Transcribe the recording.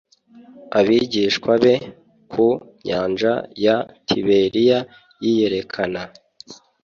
Abigishwa be ku nyanja ya tiberiya yiyerekana